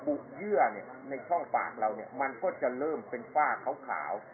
บุคเยื่อเนี้ยในช่องฝากเราเนี้ยมันก็จะเริ่มเป็นฝ้าขาวขาว